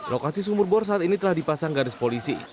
lokasi sumur bor saat ini telah dipasang garis polisi